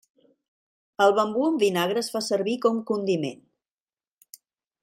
El bambú en vinagre es fa servir com condiment.